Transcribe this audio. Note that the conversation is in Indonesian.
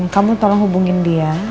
kamu tolong hubungin dia